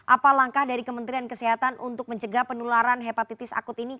apa langkah dari kementerian kesehatan untuk mencegah penularan hepatitis akut ini